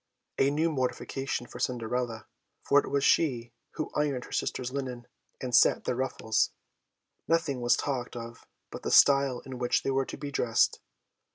A new mortification for Cinderella, for it was she who ironed her sisters' linen, and set their ruffles. Nothing was talked of but the style in which they were to be dressed.